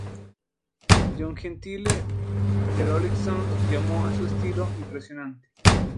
John Gentile de "Rolling Stone" llamó a su estilo "impresionante".